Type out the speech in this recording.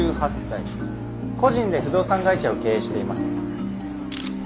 個人で不動産会社を経営しています。